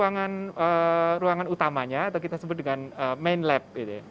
dan satu lagi ini ruangan utamanya atau kita sebut dengan main lab